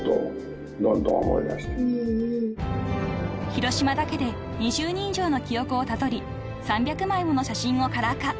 ［広島だけで２０人以上の記憶をたどり３００枚もの写真をカラー化］